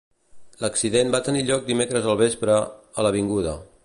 L'accident va tenir lloc dimecres al vespre, a l'Avda.